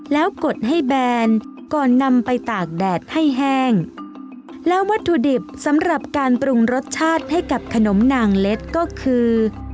แล้วกดให้แบนก่อนนำไปตากแดดให้แห้งแล้ววัตถุดิบสำหรับการปรุงรสชาติให้กับขนมนางเล็ดก็คือ